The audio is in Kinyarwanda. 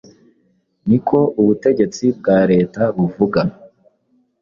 Niko ubutegetsi bwa leta buvuga.”